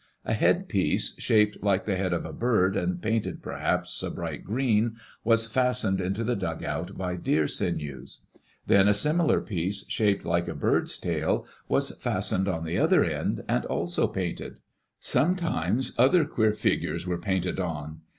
A headpiece, shaped like the head of a bird, and painted perhaps a bright green, was fastened into the dugout by deer sinews. Then a similar piece, shaped like a bird's tail, was fastened on the other end, and also painted. Sometimes other queer figures were painted on.